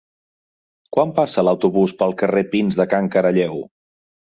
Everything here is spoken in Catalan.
Quan passa l'autobús pel carrer Pins de Can Caralleu?